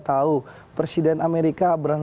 tahu presiden amerika abraham